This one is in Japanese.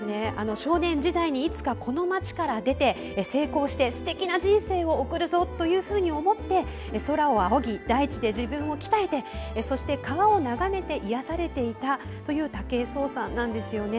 少年時代にいつかこの町から出て、成功してすてきな人生を送るぞというふうに思って空を仰ぎ、大地で自分を鍛えて川を眺めて癒やされていたという武井壮さんなんですよね。